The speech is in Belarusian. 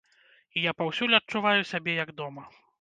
І я паўсюль адчуваю сябе, як дома.